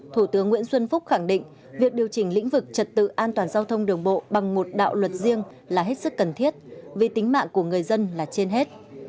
thủ tướng nguyễn xuân phúc khẳng định việc điều chỉnh lĩnh vực trật tự an toàn giao thông đường bộ bằng một đạo luật riêng là hết sức cần thiết vì tính mạng của người dân là trên hết